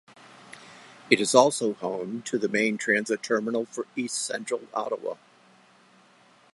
It is also home to the main transit terminal for east-central Ottawa.